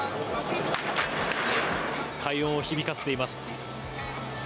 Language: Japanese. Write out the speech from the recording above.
快音を響かせています。